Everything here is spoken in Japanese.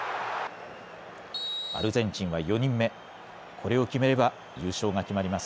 アルゼンチンは４人目、これを決めれば優勝が決まります。